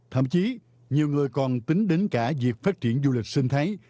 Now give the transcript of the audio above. thậm chí nhiều người còn tính đến cả việc phát triển du lịch sinh thái